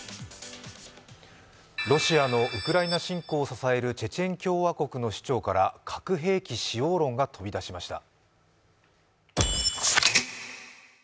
ロシアのウクライナ侵攻を支えるチェチェン共和国の首長から核兵器使用論が飛び出しました。